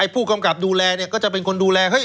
ผู้กำกับดูแลก็จะเป็นคนดูแล